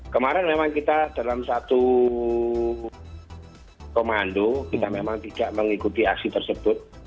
kemarin memang kita dalam satu komando kita memang tidak mengikuti aksi tersebut